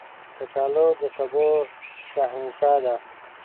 کچالو د سبو شهنشاه دی